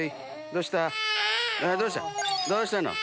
どうしたの？